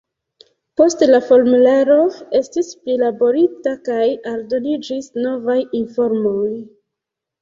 Poste la formularo estis prilaborita kaj aldoniĝis novaj informoj.